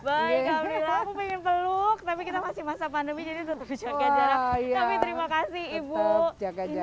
baik aku ingin peluk tapi kita masih masa pandemi jadi tetap jaga jarak